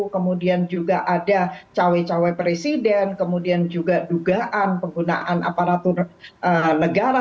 kemudian juga ada cawe cawe presiden kemudian juga dugaan penggunaan aparatur negara